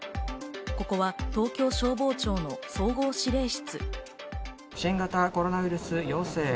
ここは東京消防庁の総合指令室。